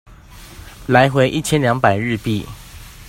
來回一千兩百日幣